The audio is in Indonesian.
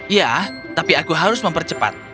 ya tapi aku harus mempercepat